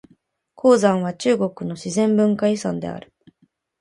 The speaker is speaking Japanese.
黄山は中国の自然文化遺産である。